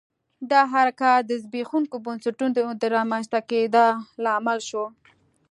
دا حرکت د زبېښونکو بنسټونو د رامنځته کېدا لامل شو.